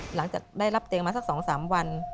หลังจากได้รับเตียงมาสัก๒๓วัน